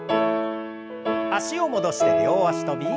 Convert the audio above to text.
脚を戻して両脚跳び。